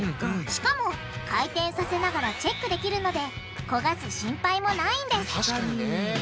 しかも回転させながらチェックできるので焦がす心配もないんです